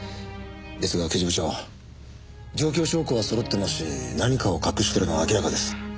ですが刑事部長状況証拠はそろってますし何かを隠してるのは明らかです。